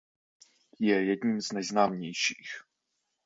Je jedním z nejznámějších.